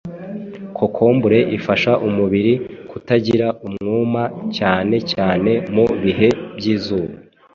kokombure ifasha umubiri kutagira umwuma cyane cyane mu bihe by’izuba.